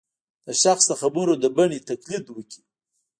د شخص د خبرو د بڼې تقلید وکړي